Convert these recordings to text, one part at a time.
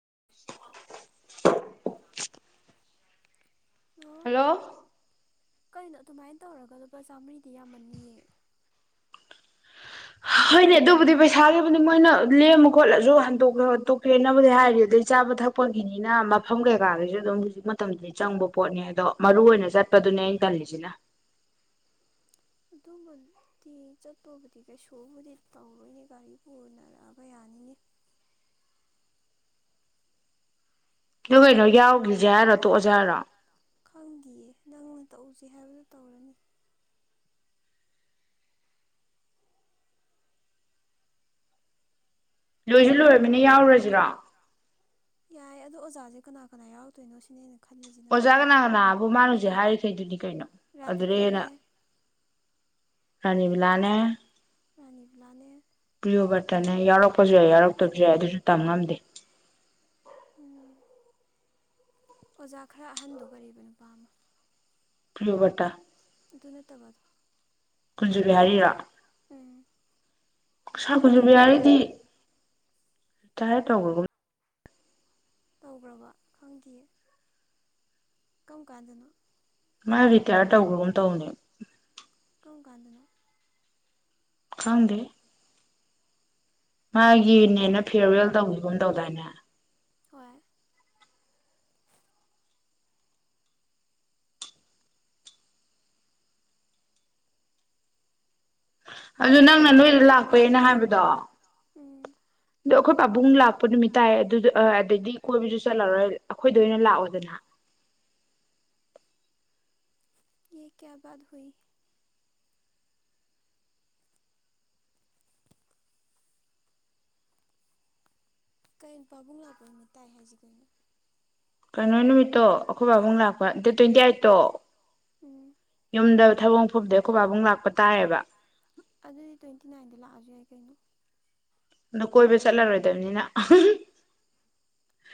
[unintelligible] ꯑꯣ ꯍꯜꯂꯣ꯫ ꯀꯩꯅꯣ ꯑꯗꯨꯃꯥꯏꯅ ꯇꯧꯔꯒ ꯂꯨꯄꯥ ꯆꯥꯃꯔꯤꯗꯤ ꯌꯥꯝꯃꯅꯤꯌꯦ [unintelligible] ꯍꯣꯏꯅꯦ ꯑꯗꯨꯕꯨꯗꯤ ꯄꯩꯁꯥꯒꯤꯕꯨꯗꯤ ꯃꯣꯏꯅ ꯂꯦꯝꯃ ꯈꯣꯠꯂꯁꯨ ꯍꯟꯗꯣ ꯍꯟꯀꯦꯕꯨꯘꯤ ꯍꯥꯏꯔꯤ ꯑꯗꯨꯗꯩ ꯆꯥꯕ ꯊꯛ ꯊꯛꯄꯒꯤꯅꯤꯅ ꯃꯐꯝ ꯀꯩꯀꯥꯗꯁꯨ ꯑꯗꯨꯝ ꯍꯧꯖꯤꯛ ꯃꯇꯝꯗꯗꯤ ꯆꯪꯕ ꯄꯣꯠꯅꯤ ꯑꯗꯣ ꯃꯔꯨ ꯑꯣꯏꯅ ꯆꯠꯄꯗꯨꯅꯦ ꯑꯩꯅ ꯇꯜꯂꯤꯁꯤꯅ ꯑꯗꯨꯃꯗꯤ ꯆꯠꯄꯕꯨꯗꯤ ꯀꯩꯁꯨꯕꯨꯗꯤ ꯇꯧꯔꯣꯏꯅꯦ ꯒꯥꯔꯤ ꯄꯨꯅꯔꯛꯑꯒ ꯌꯥꯅꯤ ꯑꯅꯤ ꯑꯘꯨ ꯀꯩꯅꯣ ꯌꯥꯎꯈꯤꯁꯦ ꯍꯥꯏꯔꯣ ꯇꯣꯛꯑꯁꯦ ꯍꯥꯏꯔꯣ ꯈꯪꯘꯤꯌꯦ ꯅꯪꯅ ꯇꯧꯁꯦ ꯍꯥꯏꯕꯗꯨꯣ ꯇꯧꯔꯅꯤ ꯂꯣꯏꯁꯨ ꯂꯣꯏꯔꯕꯅꯤ ꯌꯥꯎꯔꯨꯔꯁꯤꯔꯣ ꯌꯥꯏꯌꯦ ꯑꯗꯣ ꯑꯣꯖꯥꯁꯦ ꯀꯅꯥ ꯀꯅꯥ ꯌꯥꯎꯔꯛꯇꯣꯏꯅꯣ ꯁꯤꯅꯦ ꯑꯩꯅ ꯈꯜꯂꯤꯁꯤꯅ ꯀꯟꯅ ꯑꯣꯖꯥꯒꯅꯥ ꯀꯅꯥꯕꯨ ꯃꯥꯥꯅꯍꯧꯖꯤꯛ ꯍꯥꯏꯔꯤꯈꯩꯗꯨꯗꯤ ꯀꯩꯅꯣ ꯑꯗꯨꯔꯅ ꯔꯥꯙꯤꯀꯥꯅꯦ ꯔꯥꯅꯤꯕꯤꯂꯥꯅꯦ ꯔꯅꯤꯕ꯭ꯂꯅꯦ ꯅꯠꯇꯅꯦ ꯌꯥꯎꯔꯛꯄꯁꯨ ꯌꯥꯏ ꯌꯥꯎꯔꯛꯇꯕꯁꯨ ꯌꯥꯏ ꯑꯗꯨꯁꯨ ꯇꯝ ꯉꯝꯗꯦ ꯎꯝ ꯑꯣꯖꯥ ꯈꯔ ꯑꯍꯟꯗꯣ ꯀꯔꯤꯕ ꯅꯨꯄꯥ ꯑꯃ ꯄ꯭ꯔꯤꯌꯣ ꯕꯔꯇꯥ ꯑꯗꯨ ꯅꯠꯇꯕꯗꯣ ꯀꯨꯟꯖꯨꯕꯤ ꯍꯥꯔꯤꯔꯣ ꯎꯝ ꯁꯥꯈ ꯑꯗꯨꯕꯨ ꯀꯨꯟꯖꯕꯤꯍꯥꯔꯤꯗꯤ ꯔꯤꯇꯥꯌꯔ ꯇꯧꯕꯒꯨꯝ ꯇꯧꯈ꯭ꯔꯕ ꯈꯪꯗꯤꯌꯦ ꯀꯝ ꯀꯥꯟꯗꯅꯣ ꯃꯥ ꯔꯤꯇꯌꯥꯔ ꯇꯧꯈ꯭ꯔꯒꯨꯝ ꯇꯧꯕꯅꯦ ꯀꯥꯝꯀꯟꯗꯅꯣ ꯈꯪꯗꯦ ꯎꯝ ꯃꯥꯒꯤꯅꯦꯅ ꯐꯤꯔꯋꯦꯜ ꯇꯧꯕꯤꯒꯨꯝ ꯇꯧꯗꯥꯏꯅꯦ ꯍꯣꯏ ꯑꯗꯨ ꯅꯪꯅ ꯅꯣꯏꯗ ꯂꯥꯛꯄꯥꯏꯅ ꯍꯥꯏꯕꯗꯣ ꯎꯝ ꯑꯗꯣ ꯑꯩꯈꯣꯏ ꯄꯥꯕꯨꯡ ꯂꯥꯛꯄ ꯅꯨꯃꯤꯠ ꯇꯥꯏ ꯑꯗꯨ ꯑꯗꯗꯤ ꯀꯣꯏꯕꯁꯨ ꯆꯠꯂꯔꯣꯏ ꯑꯩꯈꯣꯏꯗ ꯑꯣꯏꯅ ꯂꯥꯛꯑꯣꯗꯅ [inaudible] ꯌꯦ ꯀꯌꯥ ꯕꯠ ꯍꯨꯏ ꯀꯩꯅꯣ ꯄꯥꯕꯨꯡ ꯂꯥꯛꯄ ꯅꯨꯃꯤꯠ ꯇꯥꯏ ꯍꯥꯏꯁꯤ ꯀꯩꯅꯣ ꯀꯩꯅꯣ ꯅꯨꯃꯤꯠꯇꯣ ꯑꯩꯈꯣꯏ ꯕꯥꯕꯨꯡ ꯂꯥꯛꯄ ꯗꯦꯠ ꯇꯣꯏꯇꯤꯑꯥꯏꯠꯇꯣ ꯎꯝ ꯌꯨꯝꯗ ꯊꯕꯛ ꯃꯐꯝꯗꯩ ꯑꯩꯈꯣꯏ ꯄꯥꯕꯨꯡ ꯂꯥꯛꯄ ꯇꯥꯏꯌꯦꯕ ꯑꯗꯨꯗꯤ ꯇ꯭ꯋꯦꯟꯇꯤ ꯅꯥꯏꯟꯗ ꯂꯥꯛꯑꯁꯨ ꯌꯥꯏ ꯀꯩꯅꯣ ꯑꯗꯣ ꯀꯣꯏꯕ ꯆꯠꯂꯔꯣꯏꯗꯕꯅꯤꯅ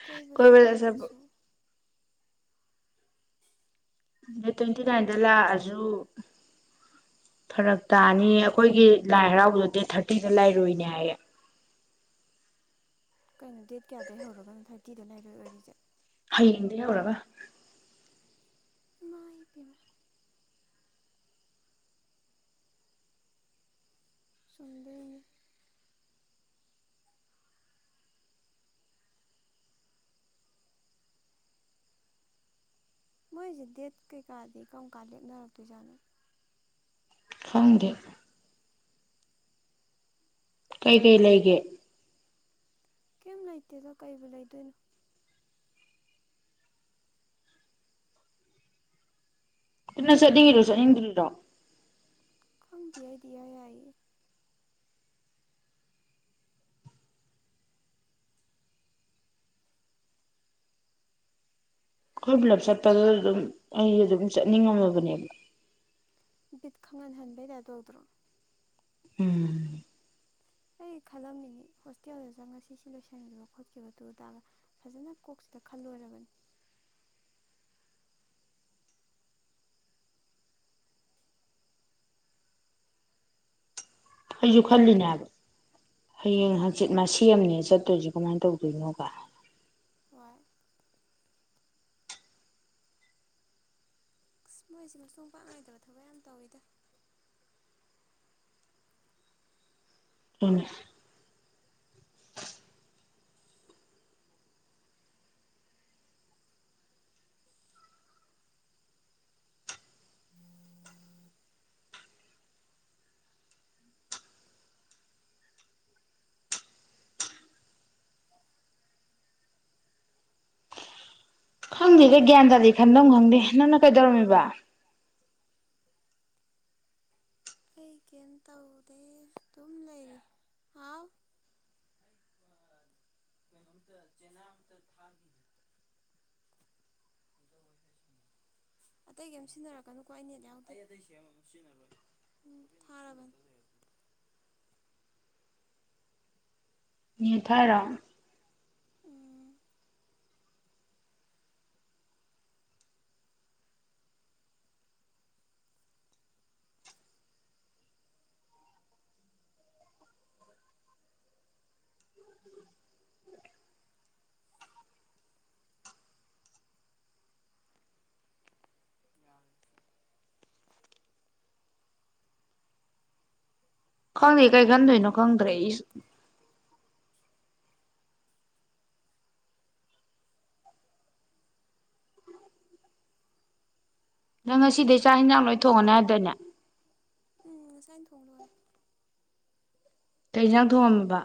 ꯀꯣꯏꯕ ꯆꯠꯇ꯭ꯔꯒꯁꯨ ꯗꯦꯠ ꯇꯣꯏꯇꯤ ꯅꯥꯏꯟꯗ ꯂꯥꯛꯑꯁꯨ ꯐꯔꯛ ꯇꯥꯅꯤ ꯑꯩꯈꯣꯏꯒꯤ ꯂꯥꯏ ꯍꯔꯥꯎꯕꯗꯣ ꯗꯦꯠ ꯊꯥꯔꯇꯤꯗ ꯂꯩꯔꯨꯅꯤ ꯍꯥꯏꯌꯦ ꯀꯩꯅꯣ ꯗꯦꯠ ꯀꯌꯥꯗꯒꯤ ꯍꯧꯔꯒꯅꯣ ꯊꯥꯔꯇꯤꯗ ꯂꯩꯔꯣꯏ ꯑꯣꯏꯔꯤꯁꯦ ꯍꯌꯦꯡꯗꯩ ꯍꯧꯔꯒ ꯃꯥꯏ ꯄꯦꯝꯃꯥ ꯁꯟꯗꯣꯏꯅꯦ ꯃꯣꯏꯁꯦ ꯗꯦꯠ ꯀꯩꯀꯥꯗꯤ ꯀꯔꯝ ꯀꯥꯟ ꯂꯦꯞꯅꯔꯛꯇꯣꯏꯖꯥꯠꯅꯣ ꯈꯣꯡꯗꯦ ꯀꯩ ꯀꯩ ꯂꯩꯒꯦ ꯀꯩꯝ ꯂꯩꯇꯦꯗꯣ ꯀꯩꯕꯨ ꯂꯩꯗꯣꯏꯅꯣ ꯊꯅꯁ ꯅꯤꯡꯔ ꯑꯘꯨ ꯅꯪ ꯆꯠꯅꯤꯡꯏꯔꯣ ꯆꯠꯅꯤꯡꯘꯔꯤꯔꯣ ꯈꯪꯗꯦ ꯑꯩꯗꯤ ꯏꯌꯥ ꯌꯥꯌꯦ ꯀꯣꯏꯕ ꯆꯠꯄꯗꯨ ꯑꯗꯨꯝ ꯑꯩ ꯑꯗꯨꯝ ꯆꯠꯅꯤꯡꯉꯝꯃꯕꯅꯦꯕ ꯕꯤꯠ ꯈꯡꯍꯟꯍꯟꯕꯩ ꯌꯥꯗꯧꯗ꯭ꯔꯣ ꯎꯝ ꯑꯩ ꯈꯜꯂꯝꯃꯤꯅꯤ ꯍꯣꯁꯇꯦꯜꯗꯨꯗ ꯉꯁꯤ ꯁꯤ ꯂꯣꯏꯁꯤꯟꯈꯤꯕ ꯈꯡꯠꯈꯤꯕꯗꯨꯗꯥ ꯐꯖꯅ ꯀꯣꯛ ꯈꯜꯂꯣꯏꯔꯕꯅꯤ ꯑꯩꯁꯨ ꯈꯜꯂꯤꯅꯦꯕ ꯍꯌꯦꯡ ꯎꯝ ꯍꯡꯆꯤꯠ ꯃꯥ ꯁꯦꯝꯅꯦꯁꯨ ꯆꯠꯇꯣꯏꯔꯤꯁꯤ ꯀꯃꯥꯏꯅ ꯇꯧꯗꯣꯏꯅꯣꯒ ꯋꯥꯏ ꯁ ꯃꯣꯏꯁꯦ ꯃꯆꯣꯡ ꯄꯥꯛ ꯉꯥꯏꯗꯕ ꯊꯕꯛ ꯌꯥꯝ ꯇꯧꯋꯤꯗ ꯇꯨꯅꯦ ꯈꯡꯗꯦꯗ ꯒ꯭ꯌꯥꯟ ꯇꯥꯗꯦ ꯈꯟꯗꯧ ꯈꯡꯗꯦ ꯅꯡꯅ ꯀꯩꯗꯧꯔꯝꯃꯤꯕ [inaudible] ꯑꯩ ꯀꯔꯤꯝ ꯇꯧꯗꯦ ꯑꯗꯨꯝ ꯂꯩꯔꯤ ꯍꯥꯎ ꯀꯩꯅꯣ ꯆꯅꯥ ꯑꯃꯇ ꯊꯥ ꯑꯇꯩ ꯀꯝ ꯁꯤꯟꯅꯔꯛꯀꯅꯨꯀꯣ ꯑꯅꯤ ꯎꯝ ꯊꯔꯔꯕꯟ ꯌꯦꯊꯔꯣ ꯎꯝ ꯌꯥꯝꯁꯤ ꯈꯡ ꯀꯥꯏꯒꯟꯗꯣꯏꯅꯣ ꯈꯡꯗ꯭ꯔꯦ ꯏꯁꯨ ꯅꯡ ꯉꯁꯤꯗꯩ ꯆꯥꯛ ꯌꯦꯟꯁꯥꯡ ꯂꯣꯏ ꯊꯣꯡꯉꯅꯤ ꯍꯥꯏꯗꯅꯦ ꯎꯝ ꯉꯁꯥꯏꯅ ꯊꯣꯡꯂꯣꯏꯔꯦ ꯀꯩꯏꯟꯁꯡ ꯊꯣꯡꯉꯝꯃꯤꯕ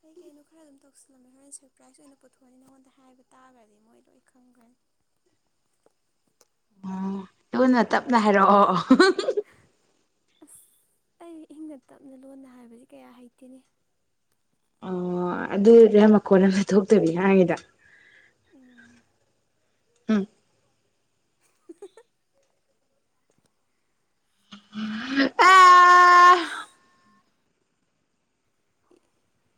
ꯀꯩ ꯀꯩꯅꯣ ꯈꯔ ꯑꯗꯨꯝ ꯇꯧꯁꯤꯜꯂꯝꯃꯦ ꯍꯣꯔꯦꯟ ꯁꯔꯄ꯭ꯔꯥꯏꯖ ꯑꯣꯏꯅ ꯄꯨꯊꯣꯛꯑꯅꯤ ꯅꯉꯣꯟꯗ ꯍꯥꯏꯕ ꯇꯥꯔꯒꯗꯤ ꯃꯣꯏ ꯂꯣꯏ ꯈꯡꯈ꯭ꯔꯅꯤ [inaudible] ꯑꯣ ꯂꯨꯟꯅ ꯇꯞꯅ ꯍꯥꯏꯔꯛꯑꯣ ꯑꯁ ꯑꯩ ꯏꯍꯤꯡꯗ ꯇꯞꯅ ꯂꯣꯟꯅ ꯍꯥꯏꯕꯁꯤ ꯀꯌꯥ ꯍꯩꯇꯦꯅꯤ ꯑꯣ ꯑꯗꯨꯗꯤꯌꯥꯝ ꯃꯈꯀꯣꯟ ꯑꯃ ꯊꯣꯛꯇꯕꯤ ꯅꯍꯉꯗ ꯎꯝ ꯎꯝ ꯑ ꯑꯁ [inaudible]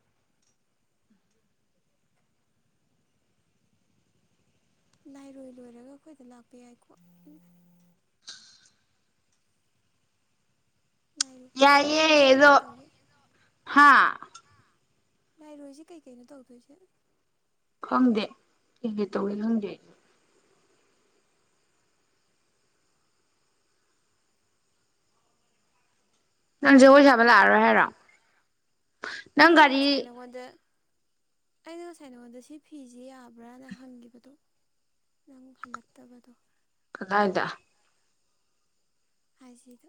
ꯂꯥꯏꯔꯣꯏ ꯂꯣꯏꯔꯒ ꯑꯩꯈꯣꯏꯗ ꯂꯥꯛꯄ ꯌꯥꯏꯀꯣ ꯂꯥꯏꯔꯣꯏ ꯂꯥꯏꯔꯣꯏꯁꯤ ꯌꯥꯌꯦꯗꯣ ꯀꯩꯀꯩ ꯇꯧꯒꯦ ꯍꯥ ꯂꯥꯏꯔꯣꯏꯁꯦ ꯀꯩꯀꯩꯅꯣ ꯇꯧꯗꯣꯏꯁꯦ ꯈꯡꯗꯦ ꯀꯩ ꯀꯩ ꯇꯧꯋꯦ ꯈꯡꯗꯦ ꯅꯡꯖꯧꯕꯣꯏ ꯆꯕ ꯂꯥꯀꯔꯣꯏ ꯍꯥꯏꯦꯔꯣ ꯑꯅꯥ ꯉꯁꯥꯏ ꯅꯥꯒꯣꯟꯗꯥ ꯑꯩꯅ ꯉꯁꯥꯏ ꯅꯉꯣꯟꯗ ꯁꯤ ꯐꯤꯁꯦ ꯌꯥꯕ꯭ꯔꯥꯅ ꯍꯡꯒꯤꯕꯗꯨ ꯅꯡ ꯍꯜꯂꯛꯇꯕꯗꯨ ꯗꯥꯏꯗꯥ ꯑꯏꯖꯤꯗ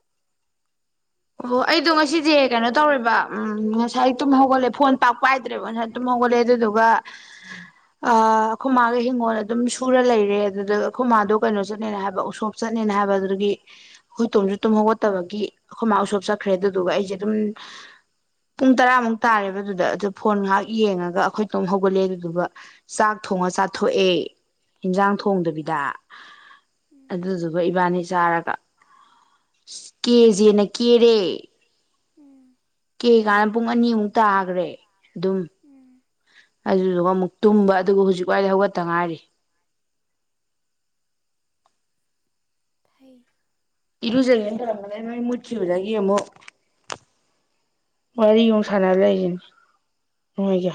ꯑꯣ ꯑꯩꯗꯣ ꯉꯁꯤꯁꯦ ꯀꯩꯅꯣ ꯇꯧꯔꯦꯕ ꯎꯝ ꯉꯁꯥꯏ ꯇꯨꯝ ꯍꯧꯒꯠꯂꯦ ꯐꯣꯟ ꯄꯥꯛꯄꯥꯏꯗ꯭ꯔꯦꯕ ꯉꯁꯥꯏ ꯇꯨꯝ ꯍꯧ ꯈꯣꯡꯒꯣꯠꯂꯦ ꯑꯗꯨꯗꯨꯒ ꯑ ꯑꯩꯈꯣꯏꯃꯥꯒ ꯍꯤꯡꯒꯣꯜ ꯑꯗꯨꯝ ꯁꯨꯔ ꯂꯩꯔꯦ ꯑꯗꯨꯗ ꯑꯩꯈꯣꯏ ꯃꯥꯥꯗꯣ ꯀꯩꯅꯣ ꯆꯠꯂꯅ ꯍꯥꯏꯕ ꯎꯁꯣꯞ ꯆꯠꯦ ꯆꯠꯅꯦꯅ ꯍꯥꯏꯕ ꯑꯗꯨꯒꯤ ꯑꯩꯈꯣꯏ ꯇꯨꯝꯁꯨ ꯇꯨꯝ ꯍꯧꯧꯒꯠꯇꯕꯒꯤ ꯑꯩꯈꯣꯏ ꯃꯥ ꯎꯁꯣꯞ ꯆꯄ ꯀꯈ꯭ꯔꯦ ꯑꯗꯨꯗꯨꯒ ꯑꯩꯁꯦ ꯑꯗꯨꯝ ꯄꯨꯡ ꯇꯔꯥꯃꯨꯛ ꯇꯥꯔꯦꯕ ꯑꯗꯨꯗ ꯑꯗꯨ ꯐꯣꯟ ꯉꯥꯏꯍꯥꯛ ꯌꯦꯡꯉꯒ ꯑꯩꯈꯣꯏꯇꯣꯝ ꯍꯧꯒꯠꯂꯦ ꯑꯗꯨꯗꯨꯒ ꯆꯥꯛ ꯊꯣꯡꯉ ꯆꯥꯊꯣꯛꯑꯦ ꯌꯦꯟꯖꯥꯡ ꯎꯝ ꯊꯣꯡꯗꯕꯤꯗ ꯎꯝ ꯑꯗꯨꯗꯨꯒ ꯏꯕꯥꯅꯤ ꯆꯥꯔꯒ ꯀꯦꯖꯤꯦꯅ ꯇꯦ ꯎꯝ ꯀꯦ ꯀꯥꯟꯅ ꯄꯨꯡ ꯑꯅꯤꯃꯨꯛ ꯇꯥꯈ꯭ꯔꯦ ꯑꯗꯨꯝ ꯎꯝ ꯑꯗꯨꯗꯨꯒ ꯑꯃꯨꯛ ꯇꯨꯝꯕ ꯑꯗꯨꯒ ꯍꯧꯖꯤꯛ ꯋꯥꯏꯗꯤ ꯍꯧꯒꯠꯇ ꯉꯥꯏꯔꯤ ꯊꯔꯤ ꯏꯔꯨꯖꯒꯦ ꯇꯔꯝꯕ ꯂꯩꯦ ꯅꯣꯏ ꯃꯨꯆꯤꯕꯗꯒ ꯌꯦꯃꯣ ꯋꯥꯔꯤꯒꯨ ꯁꯥꯟꯅꯔ ꯂꯩꯔꯤꯅꯤ ꯅꯣꯏꯒ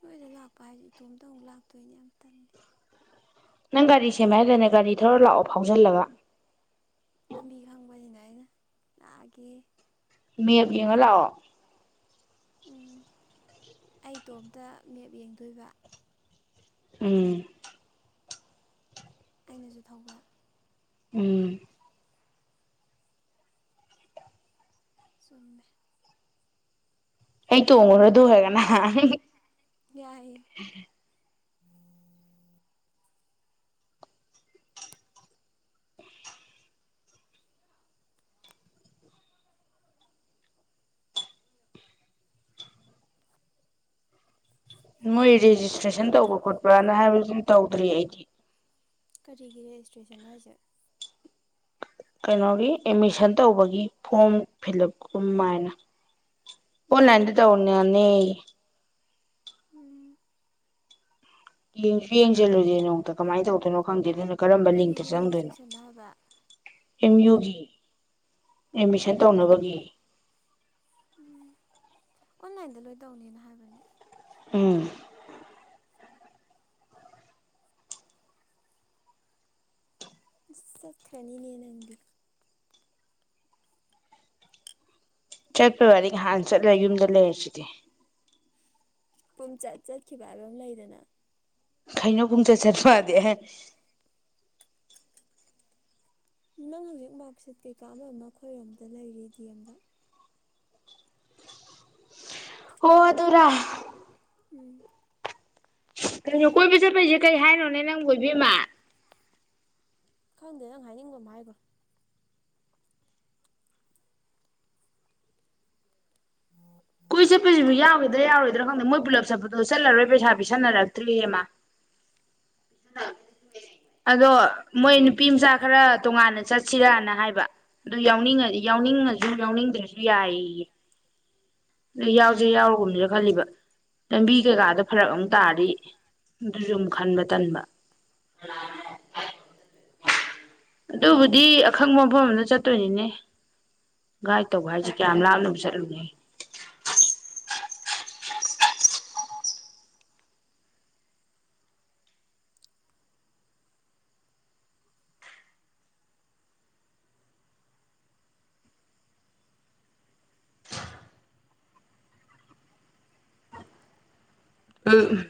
ꯅꯣꯏꯗ ꯂꯥꯛꯄ ꯍꯥꯏꯁꯦ ꯏꯇꯣꯝꯇ ꯑꯃꯨꯛ ꯂꯥꯛꯇꯣꯏꯅꯦ ꯌꯥꯝ ꯇꯜꯜꯂꯤ ꯅꯪ ꯒꯥꯔꯤ ꯁꯦꯝꯃꯦ ꯍꯥꯏꯗꯅꯦ ꯒꯥꯔꯤ ꯊꯧꯔ ꯂꯥꯛꯑꯣ ꯐꯥꯎꯖꯜꯂꯒ ꯂꯝꯕꯤ ꯈꯪꯕꯅꯤꯅ ꯑꯩꯅ ꯂꯥꯛꯑꯒꯦ ꯃꯦꯞ ꯌꯦꯡꯉ ꯂꯥꯛꯑꯣ ꯎꯝ ꯑꯩꯇꯣꯝꯇ ꯃꯦꯞ ꯌꯦꯡꯗꯣꯏꯕ ꯎꯝ ꯀꯩꯅꯁꯨ ꯊꯧꯕ ꯎꯝ ꯁꯝꯃꯦ ꯑꯩ ꯇꯣꯡꯉꯔ ꯑꯗꯨ ꯍꯒꯅ ꯌꯥꯏ ꯃꯣꯏ ꯔꯦꯖꯤꯁꯇ꯭ꯔꯦꯁꯟ ꯇꯧꯕ ꯈꯣꯠꯄꯅ ꯍꯥꯏꯕꯁꯨ ꯇꯧꯗ꯭ꯔꯤ ꯑꯩꯗꯤ ꯀꯔꯤꯒꯤ ꯔꯦꯖꯤꯁꯇ꯭ꯔꯦꯁꯟ ꯍꯥꯏꯖꯠ ꯀꯩꯅꯣꯒꯤ ꯑꯦꯠꯃꯤꯁꯟ ꯇꯧꯕꯒꯤ ꯐꯣꯝ ꯐꯤꯜ ꯎꯞ ꯀꯥꯏꯅ ꯍ ꯅꯗꯤ ꯇꯧꯅꯤꯅꯤ ꯎꯝ ꯌꯦꯡꯁꯨ ꯌꯦꯡꯁꯤꯜꯂꯨꯨꯔꯦ ꯅꯨꯇ ꯀꯃꯥꯏꯅ ꯇꯧꯗꯣꯏꯅꯣ ꯈꯪꯗꯦꯗꯅ ꯀꯔꯤꯒꯤ ꯔꯦꯖꯤꯁꯇ꯭ꯔꯦꯁꯟꯅꯣ ꯍꯥꯏꯕ ꯑꯦꯝ ꯌꯨꯒꯤ ꯑꯦꯠꯃꯤꯁꯟ ꯎꯝ ꯇꯧꯅꯕꯒꯤ ꯎꯝ ꯑꯣꯟꯂꯥꯏꯟꯗ ꯂꯣꯏ ꯇꯧꯅꯦꯅ ꯍꯥꯏꯕꯅꯤ ꯎꯝ ꯈꯅꯤꯅꯦꯅꯪꯗꯤ ꯆꯠꯄ ꯋꯥꯔꯤꯍꯥꯟ ꯆꯠꯂ ꯌꯨꯝꯗ ꯂꯩꯔꯁꯤꯗꯤ ꯄꯨꯡꯆꯠ ꯆꯠꯈꯤꯕ ꯍꯥꯏꯕ ꯑꯃ ꯂꯩꯗꯅ ꯀꯩꯅꯣꯒꯨꯝ ꯆꯠ ꯆꯠ ꯃꯥꯗꯦ ꯅꯪ ꯍꯧꯖꯤꯛ ꯃꯥꯔꯛꯁꯤꯠ ꯀꯩꯀꯥ ꯑꯃ ꯑꯃ ꯑꯩꯈꯣꯏꯔꯣꯝꯗ ꯂꯩꯔꯤ ꯗꯤ ꯑꯦꯝꯗ ꯍꯗꯔ ꯎꯝ ꯀꯩꯅꯣ ꯀꯣꯏꯕ ꯆꯠꯄꯩꯁꯦ ꯀꯩ ꯍꯥꯏꯅꯣꯅꯦ ꯅꯪ ꯀꯣꯏꯕꯤꯃ ꯈꯪꯗꯦ ꯅꯪ ꯍꯥꯏꯅꯤꯡꯕ ꯑꯃ ꯍꯥꯏꯕ꯭ꯔꯣ ꯀꯣꯏ ꯆꯠꯄꯁꯤꯕꯨ ꯌꯥꯎꯈꯤꯗ꯭ꯔꯥ ꯌꯥꯔꯣꯏꯗ꯭ꯔꯥ ꯈꯪꯗꯦ ꯃꯣꯏ ꯄꯨꯂꯞ ꯆꯠꯄꯗꯣ ꯆꯠꯂꯔꯣꯏ ꯄꯩꯁꯥ ꯄ ꯁꯥꯟꯅꯔꯛꯇ꯭ꯔꯔꯤꯃ ꯑꯗꯣ ꯃꯣꯏ ꯅꯨꯄꯤ ꯃꯆꯥ ꯈꯔ ꯇꯣꯉꯥꯟꯅ ꯆꯠꯁꯤꯔꯅ ꯍꯥꯏꯕ ꯑꯗꯨ ꯌꯥꯎꯅꯤꯡꯉ ꯌꯥꯎꯅꯤꯡꯉꯁꯨ ꯌꯥꯎꯅꯤꯡꯗ꯭ꯔꯁꯨ ꯌꯥꯏꯌꯦ ꯅ ꯌꯥꯎꯁꯦ ꯌꯥꯎꯔꯨꯒꯨꯝꯅꯤꯅ ꯈꯜꯂꯤꯕ ꯂꯝꯕꯤ ꯀꯩꯀꯥꯗ ꯐꯔꯛ ꯑꯃꯨꯛ ꯇꯥꯔꯤ ꯑꯗꯨꯁꯨ ꯑꯃꯨꯛ ꯈꯟꯕ ꯇꯟꯕ ꯎ ꯑꯗꯨꯕꯨꯗꯤ ꯑꯈꯪꯕ ꯃꯐꯝ ꯑꯃꯗ ꯆꯠꯇꯣꯏꯅꯤꯅꯦ ꯒꯥꯏꯗ ꯇꯧꯕ ꯍꯥꯏꯁꯦ ꯀꯌꯥꯝ ꯂꯥꯞꯅꯨ ꯆꯠꯂꯨꯅꯦ ꯑ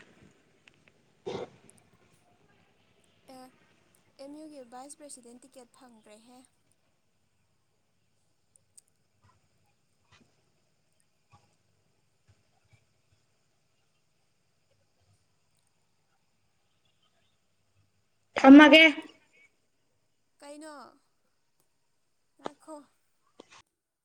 ꯑꯦ ꯑꯦꯝ ꯌꯨꯒꯤ ꯚꯥꯏꯁ ꯄ꯭ꯔꯁꯤꯗꯦꯟ ꯇꯤꯀꯦꯠ ꯐꯪꯈ꯭ꯔꯦꯍꯦ ꯊꯃꯒꯦ ꯀꯩꯅꯣ ꯉꯅꯥꯈꯣ